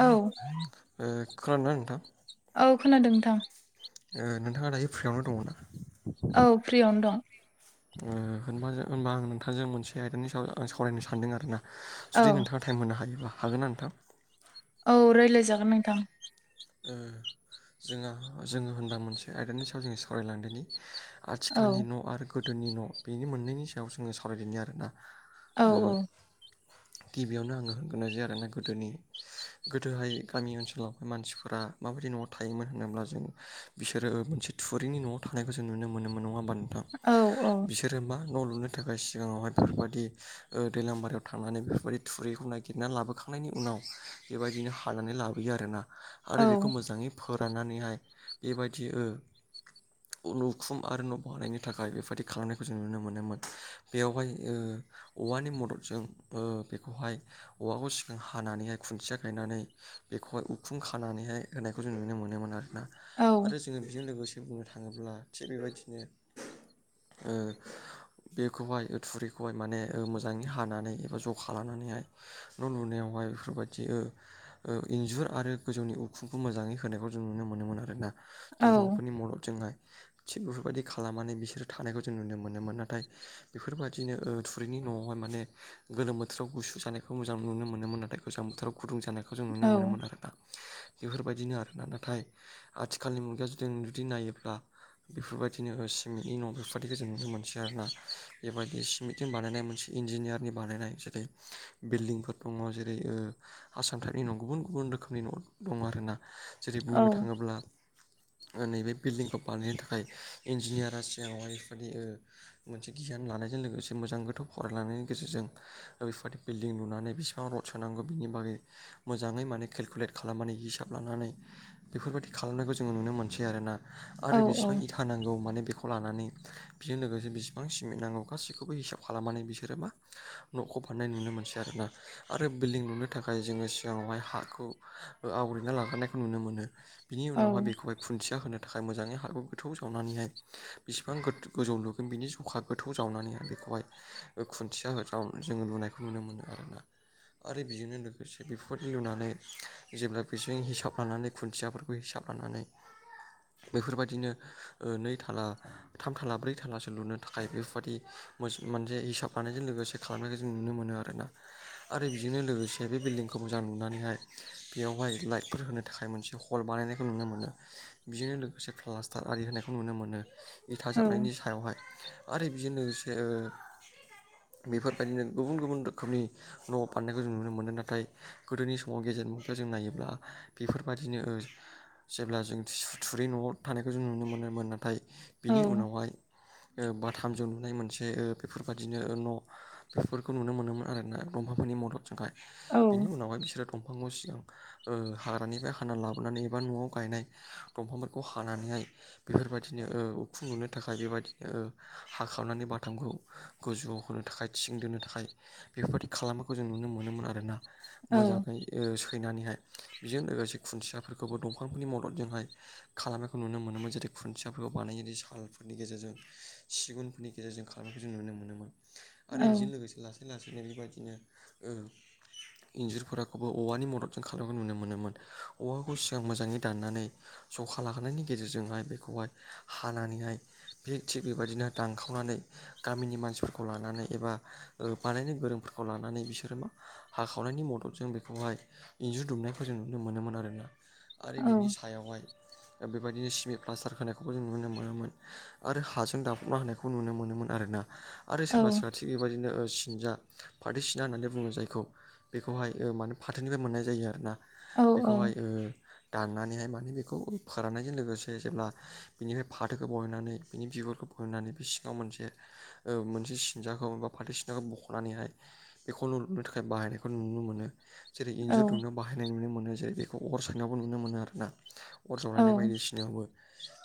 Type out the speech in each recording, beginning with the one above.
औ ए खोनादोना नोंथां औ खोनादों नोंथां ओ नोंथाङा दायो फ्रियावनो दङ ना औ फ्रियावनो दं ओ होनबों होनबा आं नोंथांजों मोनसे आयदानि सायाव आं सावरायनो सानदों आरोना औ जुदि नोंथांआ टाइम होनो हायोबा हागोन ना नोंथां। औ रायलायजागोन नोंथां ओ जोंहा जोङो होनबा मोनसे आयदानि सायाव जों सावरायलांदोनि औ आथिखालनि न' आरो गोदोनि न' बेनि मोनैनि सायाव जोङो सावरायदिनि आरोना औ ओ गिबियावनो आङो होनगोनाय जायो आरोना गोदोनि गोदोहाय गामि ओनसोलावहाय मानसिफोर फोर माबायदि न'आव थायोमोन होनोब्ला जों बिसोरो मोनसे थुरिनि न'आव थानायखौ जों नुनो मोनोमोन नङाबानों नोंथां औ बिसोरो मा न' लुनो थाखाय सिगाङावहाय बेफोरबायदि ओ दैलां बारियाव थांनानै बेफोरबादि थुरिखौ नायगिरना लाबोखा थांनायनि उनाव बेबायदिनो हानानै लाबोयो आरोना औ आरो बेखौ मोजाङै फोराननानैहाय बेबायदि ओ नुखुम आरो न' बानायनि थाखाय बेबायदि खालामनायखौ जों नुनो मोनोमोन बेयावहाय ओ औवानि मददजों ओ बेखौहाय औवाखौ सिगां हानानैहाय खुन्थिया गायनानै बेखौहाय उखुं खानानैहाय होनायखौ जों नुनो मोनोमोन आरोना औ आरो जोङो बेजों लोगोसे बुंनो थाङोब्ला थिग बेबायदिनो ओ बेखौहाय थुरिखौहाय माने ओ मोजाङै हानानै एबा जखा लानानैहाय न' लुनायावहाय बेफोरबायदि ओ ओ इन्जुर आरो गोजौनि उखुंखौ मोजाङै होनायखौ जों नुनो मोनोमोन आरोना दिरुंफोरनि औ मददजोंहाय थिग बेफोरबायदि खालामनानै बिसोरो थानायखौ जों नुनो मोनोमोन नाथाय बेफोरबायदिनो ओ थुरिनि न'आवहाय माने गोलोम बोथोराव गुसु जानायखौ मोजां नुनो मोनोमोन नाथाय गोजां बोथोराव गुदुं जानायखौ जों औ नुनो मोनोमोन आरो दा बेफोरबायदिनो आरोना नाथाय आथिखालनि मुगायाव जों जुदि नायोब्ला बेफोरबायदिनो ओ सिमेन्टनि न' बेबायिखौ जों नुनो मोनसै आरोना बेबायदि मिथिं बानायनाय मोनसे इन्जिनियारनि बानायनाय जेरै बिल्डिंफोर दङ जेरै ओ आसाम टाइपनि न' गुबुन गुबुन रोखोमनि न' दं आरो ना जेरै बुंनो थाङोब्ला। नैबे बिल्डिंखौ बानायनो थाखाय इन्जिनियारा सिगाङ ओरफोरदि ओ मोनसे गियान लानायजों लोगोसे मोजां गोथौ फरायलांनायनि गेजेरजों। ओैफोरादि बिल्डिं लुनानै बेसेबां रड सोनांगौ बिनि बागै मोजाङै माने केलकुलेट। खालामनानै हिसाब लानानै बेफोरबायदि खालामनायखौ जोंङो नुनो मोनसै आरोना औ आरो बेसेबां इथा नांगौ माने बेखौ लानानै। बेजों लोगोसे बेसेबां सिमेन्ट नांगौ गासिखौबो हिसाब खालामनानै बिसोरो मा। न'खौ बारनाय नुनो मोनसै आरोना आरो बिल्डिं लुनो थाखाय जोङो सिगाङावहाय हाखौ। आवग्रिना लाखानायखौ नुनो मोनो बिनि उनावहाय औ बेखौहाय खुन्थिया होनो थाखाय मोजाङै हा गोथौ जावनानैहाय बेसेबां गो गोजौ लुगोन बिनि जखा गोथौ जावनानैहाय बेखौहाय। खुन्थिया राव जोङो लुनायखौ नुनो मोनो आरोना। आरो बेजोंनो लोगोसे बेफोर लुनानै जेब्ला बेजों हिसाब लानानै खुन्थियाफोरखौ हिसाब लानानै बेफोरबायदिनो नै थाला थाम थाला ब्रै थालासो लुनो थाखाय बेफोरबादि मोनसे हिसाब लानायजों लोगोसे खालामनायखौ जों नुनो मोनो आर ना आरो बेजोंनो लोगोसे बे बिल्डिंखौ मोजां नुनानैहाय बेयावहाय लाइटफोर होनो थाखाय मोनसे हल बानायनायखौ नुनो मोनो। बिजोंनो लोगोसे प्लास्टार आरि होनायखौ नुनो मोनो। इथाजाबनायनि सायावहाय। आरो बिजोंनो से बेफोरबायदिनो गुबुन गुबुन रोखोमनि न' बान्नायखौ जों नुनो मोनदों। नाथाय गोदोनि समाव न'आव गेजेर मुंखौ जों नायोब्ला बेफोरबायदिनो जेब्ला जों थुरै न'आव थानायखौ जों नुनो मोनोमोन नाथाय बिनि उनावहाय बाथामजों नुनाय मोनसे बेफोरबायदिनो न' बेफोरखौ नुनो मोनोमोन आरोना दंफांफोरनि मददजोंहाय। बिनि उनावहाय बिसोरो दंफांआव सिगां हाग्रानिफ्राय हाना लाबोनानै एबा न'आव गायनाय दंफांफोरखौ हानानैहाय बेफोरबायदिनो उखुं नुनो थाखाय बेबायदिनो हाखावनानै बाथामखौ गोजौवआव होनो थाखाय थिं दोनो थाखाय बेफोरबादिखौ खालामनायखौ जों नुनो मोनोमोन आरोना मोजां सैनानैहाय बेजों लोगोसे खुन्थियाफोरखौबो दंफांफोरनि मददजोंहाय खालामनायखौ नुनो मोनोमोन। जेरै खुन्थियाफोरखौ बानायो सालफोरनि गेजेरजों सिगुनफोरनि गेजेरजों खालामनायखौ जों नुनो मोनोमोन। आरो बेजों लोगोसे लासै लासैनो बेबायदिनो इन्जुरफोरा खौबो औवानि मददजों खालामनायखौ नुनो मोनोमोन। औवाखौ सिगां मोजाङै दाननानै जखा लाखोनायनि गेजेरजोंहाय बेखौहाय हानानैहाय बि थिग बेबायदिनो दानखावनानै गामिनि मानसिफोरखौ लानानै एबा बानायनो गोरोंफोरखौ लानानै बिसोरो मा? हाखावनायनि मददजों बेखौ बेखौहाय इन्जुर दुमनायखौ जों नुनो मोनोमोन आरोना आरो बिनि सायावहाय बेबायदिनो सिमेन्ट प्लास्टार होनायखौबो जों नुनो मोनोमोन आरो हाजों दाफबना होनायखौ नुनो मोनोमोन आरोना। आरो सोरबा सोरबा थिग बेबायदिनो सिनजा फाथो सिना होननानै बुङो जायखौ बेखौहाय मानो फाथोनिफ्राय मोननाय जायो आर ना औ बेखौहाय। दाननानैहाय माने बेखौ फोराननायजों लोगोसे जेब्ला बिनिफ्राय फाथोखौ बहायनानै बिनि बिगुरखौ होननानै बे सिङाव मोनसे मोनसे सिनजाखौ बा फाथै सिनजाखौ बख'नानैहाय बेखौ न' लुनो थाखाय बाहायनायखौ नुनो मोनो। जेरै इन्जुर दुमनो बाहायनाय नुनो मोनो जेरै बेखौ अर सायनायावबो नुनो मोनो आर ना। अर जारायनाय औ बायदिसिनायावबो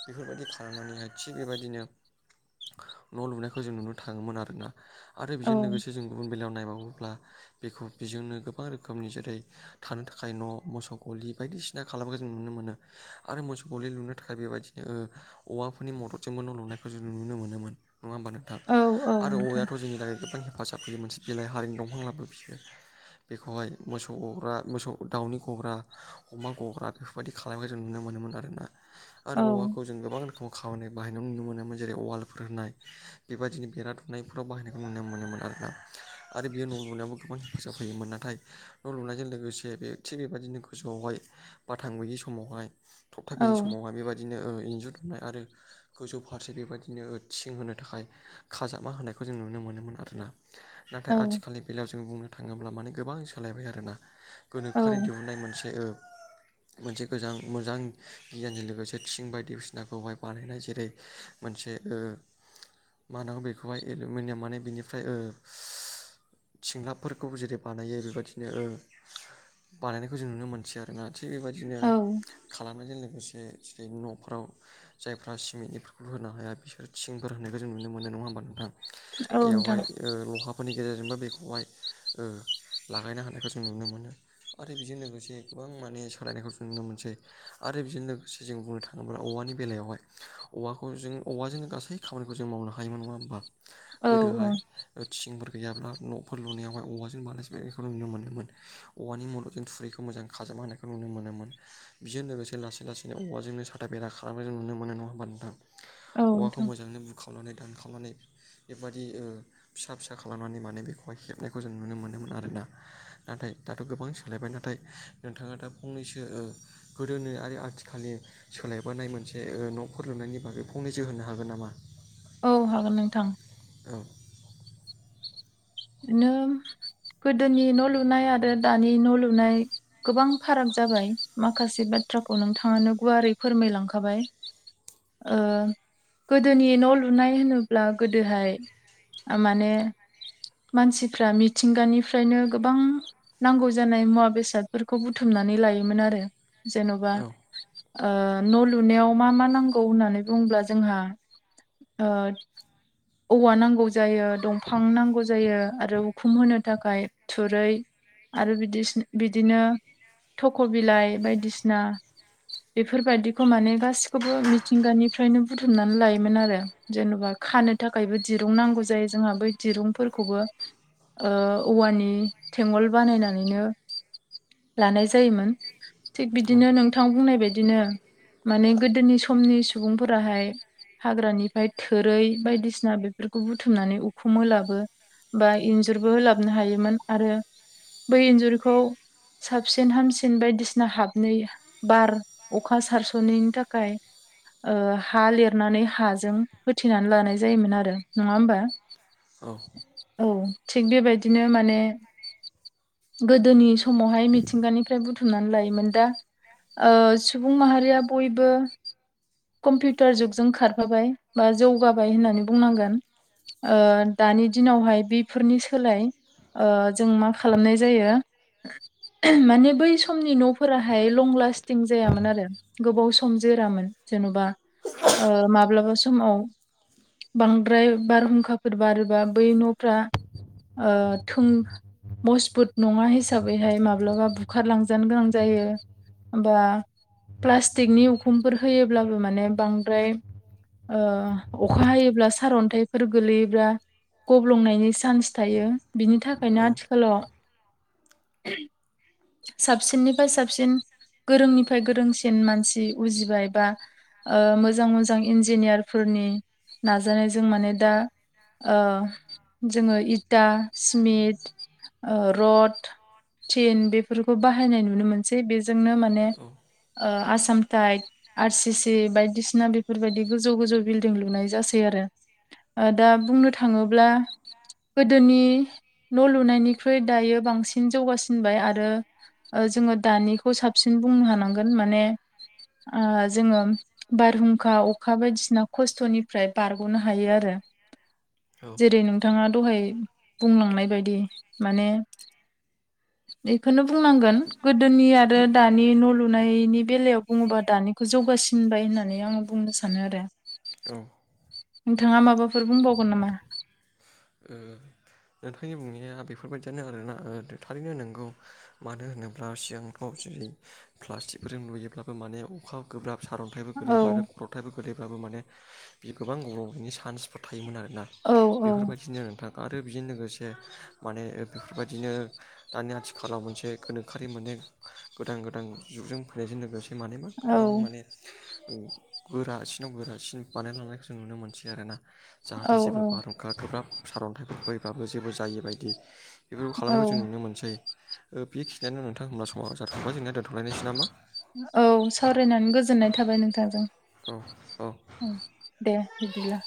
बेफोरबायदि खालामनानैहाय थिग बेबायदिनो न' लुनायखौ जों नुनो थाङोमोन आरोना। आरो बेजों लोगोसे जों गुबुन बेलायाव नायबावोब्ला बेखौ बेजोंनो गोबां रोखोम रोखोमनि जेरै थानो थाखाय न' मोसौ गलि बायदिसिना खालामखौ जों नुनो मोनो। आरो मोसौ गलि लुनो थाखाय बेबायदिनो औवाफोरनि मददजोंबो न' लुनायखौ जों नुनो मोनोमोन। नङा होमनबा नों थां औ औ आरो नोंथां औवायाथ' जोंनि थाखाय गोबां हे हेफाजाब होयो मोनसे बिलाइ हारिनि दंफां लाबो बिसोर बेखौहाय मोसौ गग्रा मोसौ दाउनि गग्रा अमा गग्रा बेफोरबायदि खालामनायखौ जों नुनो मोनोमोन आरोना। औ आरो ओवाखौ जों गोबां रोखोम खामानि बाहायनाय नुनो मोनोमोन। जेरै वालफोर होनाय बेबायदिनो बिरा दुम ननायफोराव बाहायनायखौ नुनो मोनोमोन आरोना आरो बेयो न' लनायावबो गोबां फसााब फैयोमोन नाथाय न' लुनायजों लोगोसे बे थि बेबायदिनो गोजौआवहाय बाथां गैयि समावहाय थप्था औ गैयि समावहाय बेबायदिनो इन्जुर दुमनाय आरो गोजौ फारसे बेबायदिनो थिं होनो थाखाय खाजाबमा होनायखौ जों नुनो मोनोमोन आरोना नाथाय आथिखालनि बेलायाव जों बुंनो थाङोब्ला मान गोबां ज सालायबाय आरोना गोनोखोआरि औ दिहुुननाय मोनसे मोनसे गोजां मोजां गियानजों लोगोसे थिं बायदिसिनाखौहाय बाहानाय जेरै मोनसे मा होनांगौ बेखौहाय एलमिनियाम माने बेनिफ्राय सिंलाबफोरखौ जेरै बानायो बेबायदिनो बानायनायखौ जों नुनो मोनसै आरो जोना थिग बेबायदिनो औ खालामनायजों लोगोसे जेरै न'फ्राव जायफ्रा सिमेन्टनिफोरखौ होनो हाया बिसोर थिंफोर होनखौ जों नुनो मोनो नङा होमबा नोंथां औ बेयावहाय नोंथां लहाफोरनि गेजेरजोंबो बेखौहाय लागायनो नायखौ जों नुनो मोनो आरो बेजों लोगोसे गोबां माने सोलायनायखौ जों नुनो मोनसै आरो बेजों लोगोसे जों बुंनो थाङोब्ला औवानि बेलायावहाय औवाखौ जों औवाजों गासै खामानिखौ जों मावनो हायोमोन नङा ह होनोमबा औ गोदोहाय थिंफोर गैयाब्ला न'फोर लुनायावहाय औवाजों बलासि बेखौ नुनो मोनो औवानि मदाव जों थुरिखौ मोजां खाजोब हानायखौ नुनो मोनोमोन बेजों लोगोसे लासै लासैनो औवाजोंनो साथा बेना खालामनाय जों नुनो मोनो नङा होमबा नोंथां औ औवाखौ नोंथां मोजाङै बुखावनानै दानखावनानै बेबायाददि फिसा फिसा खालामनानै माने बेखौहाय हेबनायखौ जों नुनो मोनोमोन आरोना नाथाय दाथ' गोबां सोलायबाय नाथाय नोंथाङा दा फंनैसो गोदोनि आरो आथिखालनि सोलायबोनाय मोनसे न'खर लुनायनि बागै फंनैसो होनो हागोन नामा औ हागोन नोंथां औ बिदिनो गोदोनि न' लुनाय आरो दानि न' लुनाय गोबां फाराग जाबाय माखासे बाथ्राखौ नोंथाङानो गुवारै फोरमायलांखाबाय गोदोनि न' लुनाय होनोब्ला गोदोहाय माने मानसिफ्रा मिथिंगानिफ्रायनो गोबां नांगौ जानाय मुवा बेसादफोरखौ बुथुमनानै लायोमोन आरो जेन'बा औ न' लुनायाव मा मा नांगौ होननानै बुङोब्ला जोंहा औवा नांगौ जायो दंफां नांगौ जायो आरो उखुम होनो थाखाय थुरै आरो बिदि बिदिनो थख' बिलाइ बायदिसिना बेफोरबायदि माने गासिखौबो मिथिंगानिफ्रायनो बुथुमनानै लोन आरो जेन'बा खानो थाखायबो दिरुं नांग ज जोंहा बै दिरुं खौबो औवानि थेंगल बानायनानैनो लानाय जायोमोन थिग बिदिनो नों थां बुंनाय बायदिनो माने गोदोनि समनि सुबुंफोराहाय हाग्रानिफ्राय थोरै बायदिसिना बेफोरखौ बुथुमनानै अखौ मोलाबो बा इन्जुरबो होलाबनो हायोमोन आरो बै इन्जुरखौ साबसिन हामसिन बायदिसिना हाबनोै बार अखा सारस'नायनि थाखाय हा लिरनानै हाजों होथेनानै लानाय जायोमोन आरो नङा होमबा औ औ थिग बेबायदिनो माने गोदोनि समावहाय मिथिंगानिफ्राय बुथुमनानै लायोमोन दा सुबुं माहारिया बयबो कम्पिउटार जुगजों खारफाबाय बा जौगाबाय होननानै बुंनांगोन आ दानि दिनावहाय बेफोरनि सोलाय ओ जों मा खालामनाय जायो। माने बै समनि न'फोराहाय लं लास्टिं जायामोन आरो गोबाव सम जोरामोन जेन'बा माब्लाबा ओ समाव बांद्राय बारहुंखाफोर बारोबा बै न'फ्रा ओ थुम मजबुत नङा हिसाबैहाय माब्लाबा बुखारलांजानो गोनां जायो दा प्लास्टिकनि उखुमफोर होयोब्लाबो माने बांद्राय ओ अखा हायोब्ला सारअन्थाइफोर गोलैयोब्ला गब्लंनायनि चान्स थायो बिनि थाखायनो औ आथिखालाव साबसिननिफ्राय साबसिन गोरोंनिफ्राय गोरोंसिन मानसि उजिबाय बा मोजां मोजां इन्जिनियारफोरनि नाजानायजों माने दा ओ जोङो इटा, सिमेन्ट, ओ रड, थिन बेफोरखौ बाहायनाय नुनो मोनसै बेजोंनो माने औ आसामथाइप आर सि सि बायदिसिना बेफोरबायदि गोजौ गोजौ बिल्डिं लुनाय जासै आरो दा बुंनो थाङोब्ला गोदोनि न' लुनायनिख्रुइ दायो बांसिन जौगासिनबाय आरो जोङो दानिखौ साबसिन बुंनो हानांगोन माने जोङो बारहुंखा अखा बायदिसिना खस्थ'निफ्राय बारग'नो हायो आरो औ जेरै नोंथाङा दहाय बुंलांनाय बायदि दि माने [inaudible] बेखौनो बुंनांगोन गोदोनि आरो दानि न' लुनायनि बेलायाव बुङोबा दानि जौगासिनबाय होननानै आङो बुंनो सानो आरो ओ नोंथाङा माबाफोर बुंबावगोन नामा ओ नोंथांनि बुंनाया बेफोरबायदियानो आरोना थारैनो नोंगौ मानो होनोब्ला सिगांफ्राव जुदि प्लास्टिकफोरजों नुयोब्लाबो माने अखा गोब्राब सारन्थाइबो औ गोलैफागोन ग्रबथायफोर गोदैब्लााबबो माने बे गोबां गबबनायनि चान्सफोर थायोमोन आरोना औ औ बेफोरबायदिनो नोंथां आरो बेजोंनो लोगोसे माने बेफोरबायदिनो दानि आथिखालाव मोनसे गोनोखोरि मोनाने गोदान गोदान जुगजों फैनायजों लोगोसे मानबा औ गोबां माने गोरासिनाव गोरासिन बानायलांनायखौ जों नुनो मोनसै आरो ना औ जाहाथे जेबो बारहुंखा गोब्राब सारन्थाइफोर फैब्लााबो जेबो जायै बदि बेफोरखौ औ खालामनायखौ जों नुनो मोनसै बेखिनियानो नोंथां होमब्ला समाव जाथ'बाय जोंनिना दोनथ'लायनायसै नामा औ सावरायनानै गोजोननाय थाबाय नोंथांजों औ। औ दे बिदिब्ला